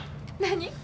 何？